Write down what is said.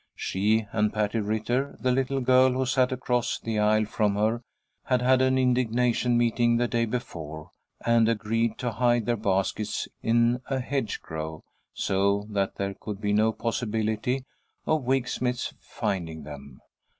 She and Patty Ritter, the little girl who sat across the aisle from her, had had an indignation meeting the day before, and agreed to hide their baskets in a hedgerow, so that there could be no possibility of Wig Smith's finding them.